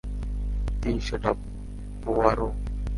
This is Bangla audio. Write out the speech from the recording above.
কী সেটা, পোয়ারো?